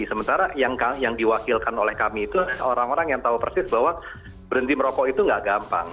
sementara yang diwakilkan oleh kami itu orang orang yang tahu persis bahwa berhenti merokok itu nggak gampang